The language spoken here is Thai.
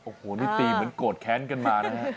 โอ้โหนี่ตีเหมือนโกรธแค้นกันมานะฮะ